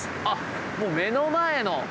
あっもう目の前の？